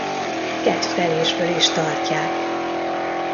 Kedvtelésből is tartják.